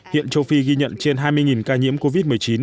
hiện châu phi ghi nhận trên hai mươi ca nhiễm covid một mươi chín